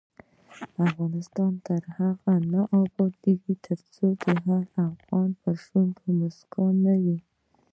افغانستان تر هغو نه ابادیږي، ترڅو د هر افغان پر شونډو مسکا نه وي.